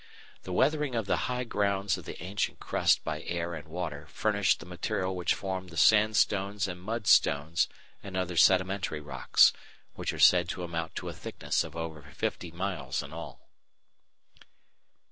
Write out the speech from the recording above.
The weathering of the high grounds of the ancient crust by air and water furnished the material which formed the sandstones and mudstones and other sedimentary rocks, which are said to amount to a thickness of over fifty miles in all.